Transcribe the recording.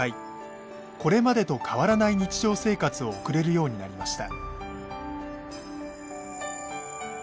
これまでと変わらない日常生活を送れるようになりました。